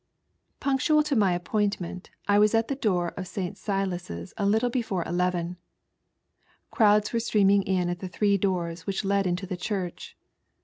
' PtTNOTUAL to my appointment, I waa at the door of I St. Silas's a little before eleven. Crowds were ' Btreaming in at the three doors which led into the church.